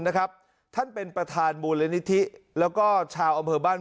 นะครับท่านเป็นประธานมูลนิธิแล้วก็ชาวอำเภอบ้าน